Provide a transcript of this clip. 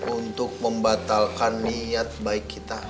untuk membatalkan niat baik kita